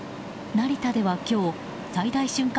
成田では今日最大瞬間